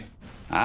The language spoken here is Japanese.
あ？